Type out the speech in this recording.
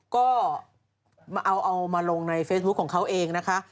ก็เอามาลงในเฟซบุ๊คของเขาเองนะคะ